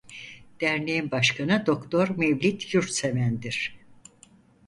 Derneğin başkanı Doktor Mevlit Yurtseven'dir.